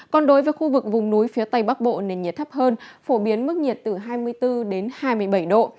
còn đối với khu vực vùng núi phía tây bắc bộ nền nhiệt thấp hơn phổ biến mức nhiệt từ hai mươi bốn đến hai mươi bảy độ